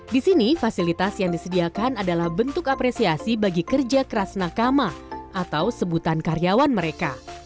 di sini fasilitas yang disediakan adalah bentuk apresiasi bagi kerja keras nakama atau sebutan karyawan mereka